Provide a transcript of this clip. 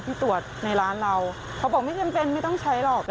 ที่ตรวจในร้านเราเขาบอกไม่จำเป็นไม่ต้องใช้หรอก